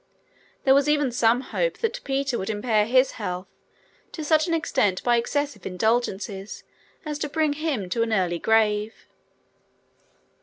There was even some hope that Peter would impair his health to such an extent by excessive indulgences as to bring him to an early grave.